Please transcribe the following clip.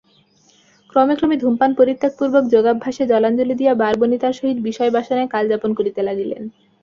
ক্রমে ক্রমে ধূমপান পরিত্যাগপূর্বক যোগাভ্যাসে জলাঞ্জলি দিয়া বারবনিতার সহিত বিষয়বাসনায় কালযাপন করিতে লাগিলেন।